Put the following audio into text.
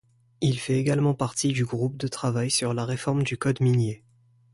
Il fait également partie du groupe de travail sur la réforme du code minier.